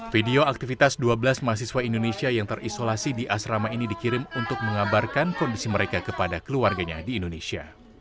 video aktivitas dua belas mahasiswa indonesia yang terisolasi di asrama ini dikirim untuk mengabarkan kondisi mereka kepada keluarganya di indonesia